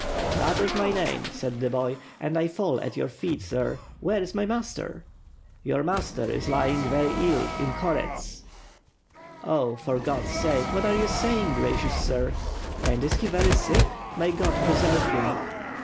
"That is my name," said the boy, "and I fall at your feet, sir. Where is my master?" "Your master is lying very ill in Korets." "Oh, for God's sake, what are you saying, gracious sir! And is he very sick? May God preserve him!"